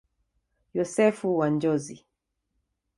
Yosefu wa Njozi.